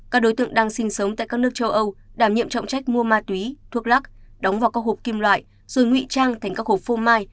các đối tượng đang sinh sống tại các nước châu âu đảm nhiệm trọng trách mua ma túy thuốc lắc đóng vào các hộp kim loại rồi ngụy trang thành các hộp phô mai